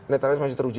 netralis masih teruji